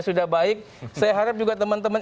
sudah baik saya harap juga teman teman